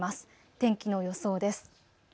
天気の予想です。